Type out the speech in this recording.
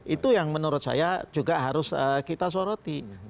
itu yang menurut saya juga harus kita soroti